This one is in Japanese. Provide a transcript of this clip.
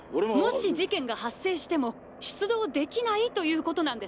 もし事件が発生しても出動できないということなんですよね？